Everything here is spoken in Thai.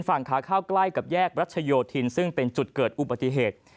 ฝั่งขาเข้าใกล้กับแยกรัชโยธินซึ่งเป็นจุดเกิดอุบัติเหตุ